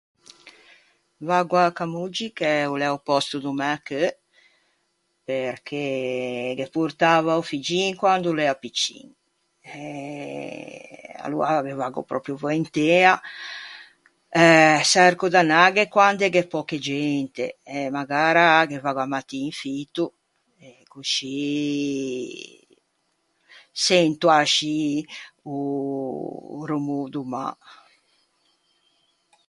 Vaggo à Camoggi che o l'é o pòsto do mæ cheu, perché ghe portava o figgin quand'o l'ea piccin. E aloa ghe vaggo pròpio voentea. Eh... çerco d'anaghe quande gh'é pöche gente e magara ghe vaggo a-a mattin fito, e coscì... sento ascì o rumô do mâ.